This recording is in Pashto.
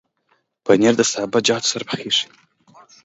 پنېر د سابهجاتو سره پخېږي.